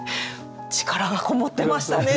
力がこもってましたね！